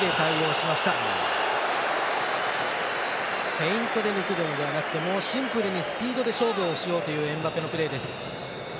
フェイントで抜くのではなくてシンプルにスピードで勝負をしようというエムバペのプレーです。